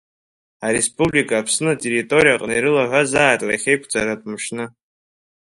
Ареспублика Аԥсны атерриториаҟны ирылаҳәазааит лахьеиқәҵаратә мшны.